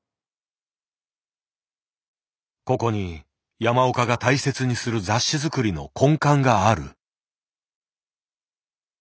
ここに山岡が大切にする雑誌作りの根幹がある。